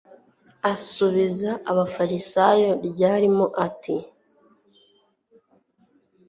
asubiza abafarisayo ryarimo ati